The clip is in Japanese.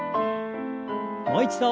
もう一度。